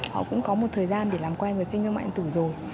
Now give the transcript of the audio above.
họ cũng có một thời gian để làm quen với kênh thương mại điện tử rồi